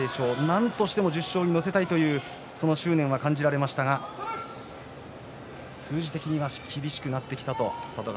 なんとしても１０勝に乗せたいという、その執念は感じましたが数字的には厳しくなってきたと佐渡ヶ